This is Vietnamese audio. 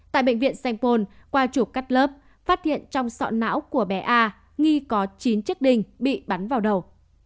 tại bệnh viện sanh pôn qua chụp cắt lớp phát hiện trong sọ não của bé a nghi có chín chiếc đình bị bắn vào đầu